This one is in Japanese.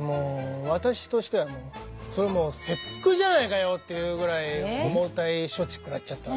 もう私としてはそれ切腹じゃないかよっていうぐらい重たい処置くらっちゃったわけ。